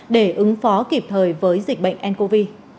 để ứng phó kịp thời với dịch bệnh ncov